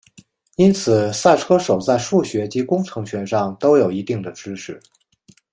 因此赛车手在数学及工程学上都有一定的知识。